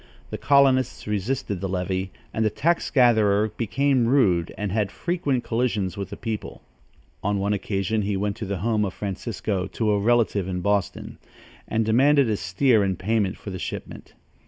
The colonists resisted the levy and the tax gatherer became rude and had frequent collisions with the people. On one occasion, he went to the home of Francisco Stevens, a planter, who had shipped some tobacco to a relative in Boston, and demanded a steer in payment for the shipment.